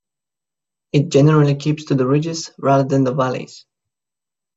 It generally keeps to the ridges rather than the valleys.